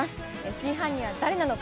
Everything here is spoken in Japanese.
真犯人は誰なのか？